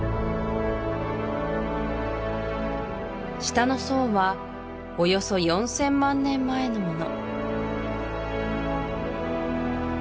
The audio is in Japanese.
下の層はおよそ４０００万年前のもの